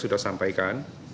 saya sudah sampaikan